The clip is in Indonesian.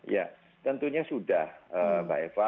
ya tentunya sudah mbak eva